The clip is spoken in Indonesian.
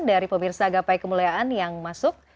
dari pemirsa gapai kemuliaan yang masuk